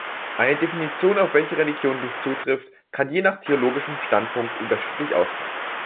Eine Definition, auf welche Religionen dies zutrifft, kann je nach theologischem Standpunkt unterschiedlich ausfallen.